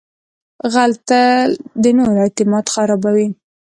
غل تل د نورو اعتماد خرابوي